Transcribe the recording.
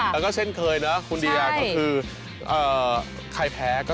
เฮ่ไม่ต้องเดินกลับบ้านละ